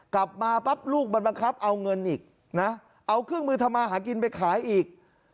กลับมาปั๊บลูกมันบังคับเอาเงินอีกนะเอาเครื่องมือทำมาหากินไปขายอีก